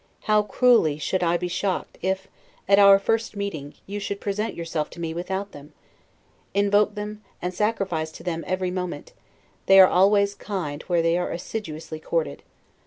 How cruelly should I be shocked, if, at our first meeting, you should present yourself to me without them! Invoke them, and sacrifice to them every moment; they are always kind, where they are assiduously courted.